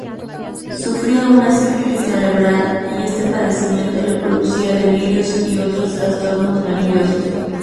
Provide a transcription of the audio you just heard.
Sufría una sífilis cerebral y este padecimiento le producía delirios y otros trastornos nerviosos.